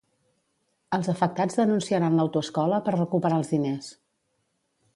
Els afectats denunciaran l'autoescola per recuperar els diners.